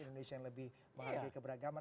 indonesia yang lebih menghargai keberagaman